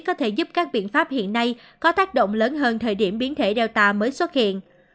có thể giúp các biện pháp hiện nay có tác động lớn hơn thời điểm biến thể data mới xuất hiện